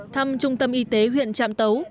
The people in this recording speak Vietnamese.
thăm trung tâm y tế huyện trạm tấu